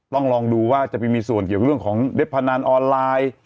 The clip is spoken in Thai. ต้องลองดูว่าจะมีมีส่วนกับเรื่องเรฟพาณาลออนไลน์